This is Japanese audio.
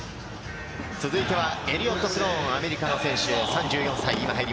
続いてはエリオット・スローン、アメリカの選手、３４歳。